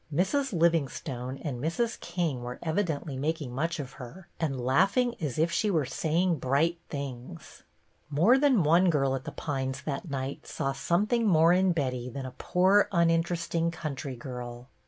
Mrs. Livingstone and Mrs. King were evidently making much of her and laughing as if she were saying bright things. More than one girl at The Pines that night saw something more in Betty than a poor, uninteresting country girl.